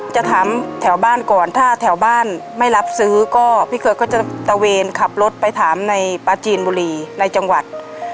จะถามแถวบ้านก่อนถ้าแถวบ้านไม่รับซื้อก็พี่เคยก็จะตะเวนขับรถไปถามในปลาจีนบุรีในจังหวัด